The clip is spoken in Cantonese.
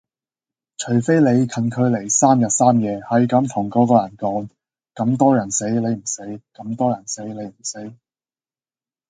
除非你近距離三日三夜係咁同個個人講：咁多人死你唔死，咁多人死你唔死